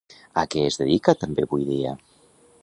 A què es dedica també avui dia?